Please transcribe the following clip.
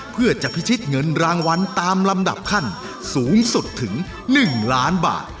เพื่อจะพิชิตเงินรางวัลตามลำดับขั้นสูงสุดถึง๑ล้านบาท